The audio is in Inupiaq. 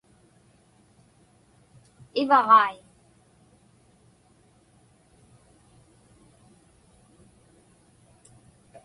Ivaġai.